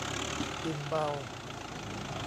อิ่มเบา